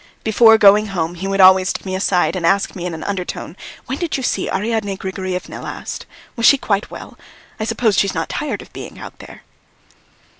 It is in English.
Before going home he would always take me aside and ask me in an undertone: "When did you see Ariadne Grigoryevna last? Was she quite well? I suppose she's not tired of being out there?"